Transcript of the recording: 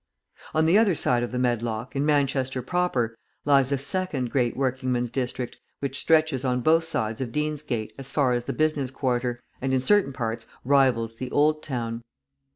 On the other side of the Medlock, in Manchester proper, lies a second great working men's district which stretches on both sides of Deansgate as far as the business quarter, and in certain parts rivals the Old Town.